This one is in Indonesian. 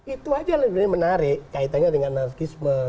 itu aja lebih menarik kaitannya dengan narkisme